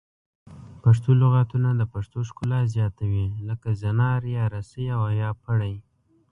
پښتو لغتونه د پښتو ښکلا زیاتوي لکه زنار یا رسۍ او یا پړی